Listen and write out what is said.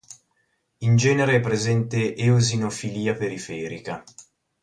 In genere è presente eosinofilia periferica.